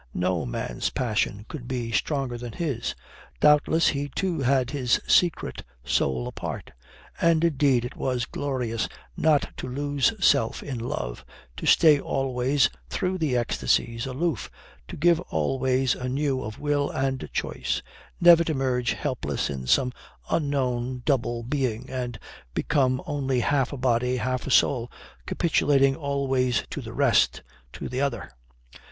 No man's passion could be stronger than his. Doubtless he too had his secret soul apart. And indeed it was glorious not to lose self in love, to stay always, through the ecstasies, aloof, to give always anew of will and choice never to merge helpless in some unknown double being and become only half a body, half a soul, capitulating always to the rest, to the other.